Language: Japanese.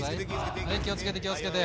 はい気をつけて気をつけて。